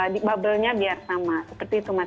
di bubble nya biar sama seperti itu mas